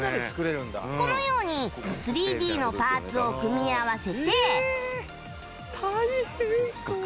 このように ３Ｄ のパーツを組み合わせて